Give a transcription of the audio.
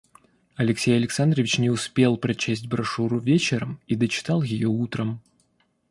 Алексей Александрович не успел прочесть брошюру вечером и дочитал ее утром.